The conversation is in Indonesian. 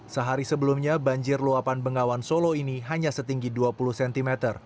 sehari sebelumnya banjir luapan bengawan solo ini hanya setinggi dua puluh cm